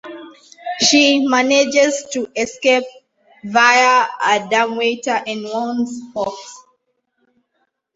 She manages to escape via a dumbwaiter and warns Fox.